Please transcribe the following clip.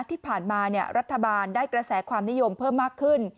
ที่ผ่านมารัฐบาลได้กระแสความนิยมเพิ่มมากขึ้น